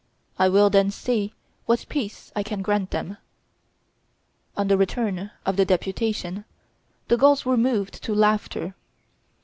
I will then see what peace I can grant them." On the return of the deputation, the Gauls were moved to laughter.